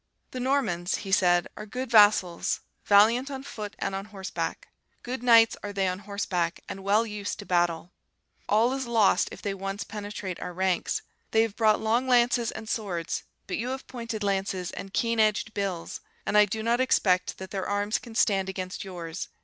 'The Normans,' he said, 'are good vassals, valiant on foot and on horseback; good knights are they on horseback, and well used to battle; all is lost if they once penetrate our ranks. They have brought long lances and swords, but you have pointed lances and keen edged bills; and I do not expect that their arms can stand against yours.